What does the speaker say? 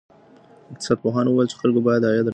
اقتصاد پوهانو وویل چې د خلکو عاید باید ډېر سي.